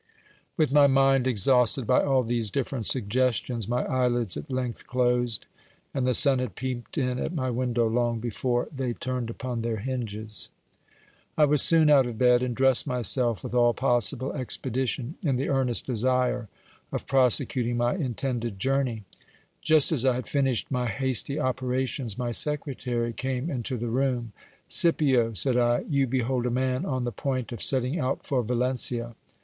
With my mind exhausted by all these different suggestions, my eyelids at length closed, and the sun had peeped in at my window long before they turned upon their hinges. I was soon out of bed ; and dressed myself with all possible expedition, in the earnest desire of prosecuting my intended journey. Just as I had finished my hasty operations, my secretary came into the room. Scipio, said I, you behold a man on the point of setting out for Valencia.